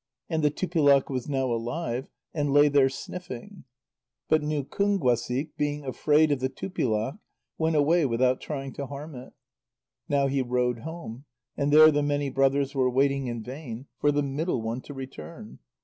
And the Tupilak was now alive, and lay there sniffing. But Nukúnguasik, being afraid of the Tupilak, went away without trying to harm it. Now he rowed home, and there the many brothers were waiting in vain for the middle one to return.